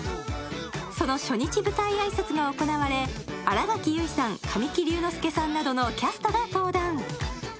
その初日舞台挨拶が行われ、新垣結衣さん、神木隆之介さんなどのキャストが登壇。